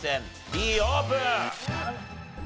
Ｄオープン！